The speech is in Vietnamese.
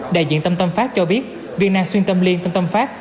đại diện tân tâm phát cho biết viên năng xuyên tâm liên tân tâm phát